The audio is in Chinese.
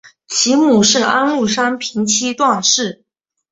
其母是安禄山平妻段氏。